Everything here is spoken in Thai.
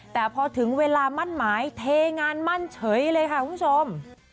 แต่พอถึงเวลามั่นหมายเทงานมั่นเฉยเลยค่ะคุณผู้ชม